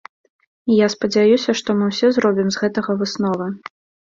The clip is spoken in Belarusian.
І я спадзяюся, што мы ўсе зробім з гэтага высновы.